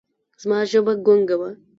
زما ژبه ګونګه وه ـ